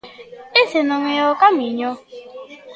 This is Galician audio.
¡Ese non é o camiño!